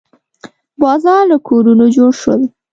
بازار او کورونه جوړ شول.